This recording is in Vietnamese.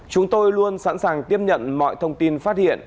chúng tôi luôn sẵn sàng tiếp nhận mọi thông tin phát hiện